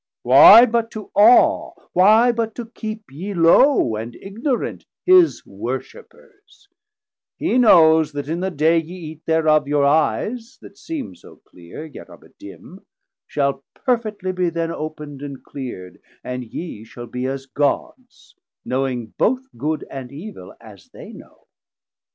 Why but to awe, Why but to keep ye low and ignorant, His worshippers; he knows that in the day Ye Eate thereof, your Eyes that seem so cleere, Yet are but dim, shall perfetly be then Op'nd and cleerd, and ye shall be as Gods, Knowing both Good and Evil as they know.